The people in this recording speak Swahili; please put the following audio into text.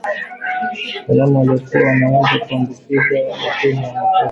Wanyama waliokua wanaweza kuambukizwa lakini ni wachache tu wanaoweza kufa karibu asilimia kumi